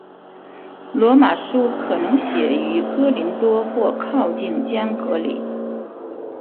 罗马书可能写于哥林多或靠近坚革哩。